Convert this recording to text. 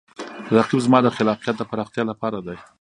رقیب زما د خلاقیت د پراختیا لپاره دی